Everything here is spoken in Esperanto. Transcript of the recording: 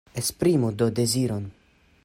Esprimu do deziron.